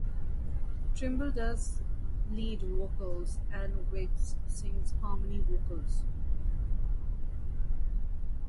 Trimble does lead vocals and Wiggs sings harmony vocals.